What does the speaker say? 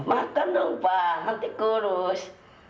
makan dong pak nanti kurus